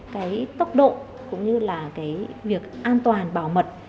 cái tốc độ cũng như là cái việc an toàn bảo mật